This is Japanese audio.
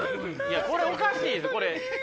これおかしいです。